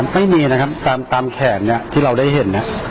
ไม่มีนะครับตามแขนเนี่ยที่เราได้เห็นเนี่ย